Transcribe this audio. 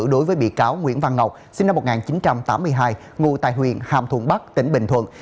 đối với bị cáo nguyễn văn ngọc sinh năm một nghìn chín trăm tám mươi hai ngụ tại huyện hàm thuận bắc tỉnh bình thuận